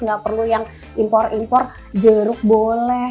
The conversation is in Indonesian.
nggak perlu yang impor impor jeruk boleh